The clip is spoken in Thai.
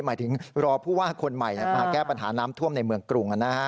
หมายถึงรอผู้ว่าคนใหม่มาแก้ปัญหาน้ำท่วมในเมืองกรุง